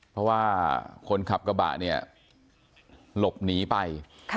เพราะว่าคนขับกระบะเนี่ยหลบหนีไป